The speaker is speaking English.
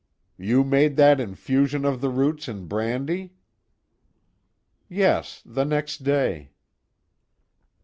"You made that infusion of the roots in brandy?" "Yes, the next day."